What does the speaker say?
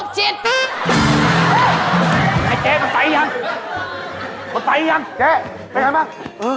เจ๊ไปยังไปไหนบ้าง